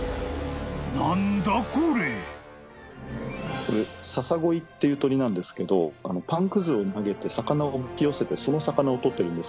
これササゴイっていう鳥なんですけどパンくずを投げて魚をおびき寄せてその魚を捕ってるんです。